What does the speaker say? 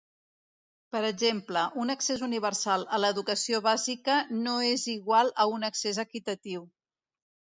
Per exemple, un accés universal a l'educació bàsica no és igual a un accés equitatiu.